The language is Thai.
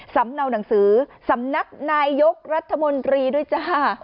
เนาหนังสือสำนักนายยกรัฐมนตรีด้วยจ้า